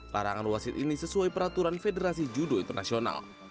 larangan wasit ini sesuai peraturan federasi judo internasional